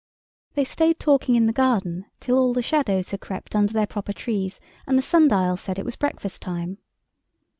They stayed talking in the garden till all the shadows had crept under their proper trees and the sun dial said it was breakfast time.